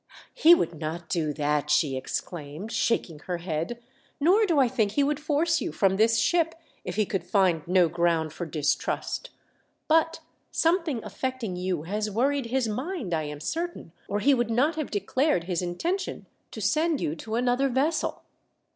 " He would not do that," she exclaimed, shaking her head ;" nor do I think he would force you from this ship if he could find no ground for distrust. But something affecting you has worried his mind, I am certain, or he WE SIGHT A SHIP. 233 would not have declared his Intention to send you to another vessel.